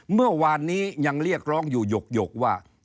เมื่อวานนี้ยังเรียกร้องอยู่หยกว่า